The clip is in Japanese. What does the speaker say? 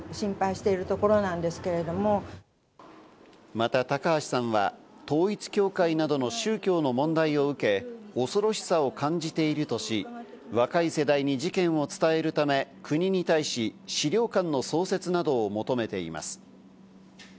また高橋さんは、統一教会などの宗教の問題を受け、恐ろしさを感じているとし、若い世代に事件を伝えるため国に対し資料館の創設などを求めています。